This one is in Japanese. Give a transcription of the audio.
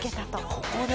ここで？